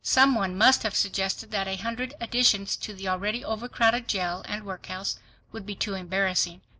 Some one must have suggested that a hundred additions to the already overcrowded jail and workhouse would be too embarrassing.